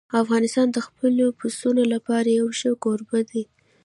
افغانستان د خپلو پسونو لپاره یو ښه کوربه دی.